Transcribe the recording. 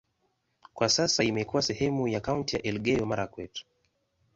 Kwa sasa imekuwa sehemu ya kaunti ya Elgeyo-Marakwet.